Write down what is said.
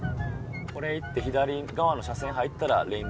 これ行って左側の車線入ったらレインボーブリッジやで。